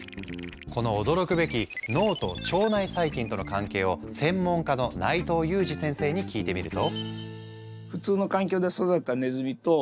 この驚くべき脳と腸内細菌との関係を専門家の内藤裕二先生に聞いてみると。